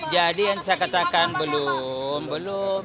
jadi yang saya katakan belum belum